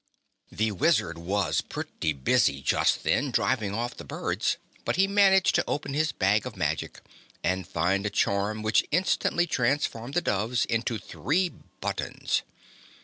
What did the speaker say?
The Wizard was pretty busy, just then, driving off the birds, but he managed to open his bag of magic and find a charm which instantly transformed the doves into three buttons.